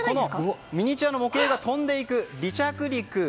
ミニチュアの模型が飛んでいく離着陸。